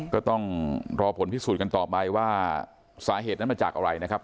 ก็ต้องรอผลพิสูจน์กันต่อไปว่าสาเหตุนั้นมาจากอะไรนะครับ